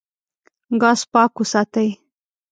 ګاز پاک وساتئ.